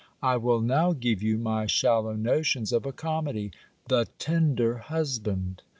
I will now give you my shallow notions of a COMEDY The Tender Husband.